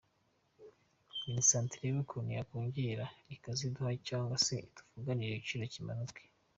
Minisante irebe ukuntu yakongera ikaziduha cyangwa se ituvuganire igiciro kimanuke.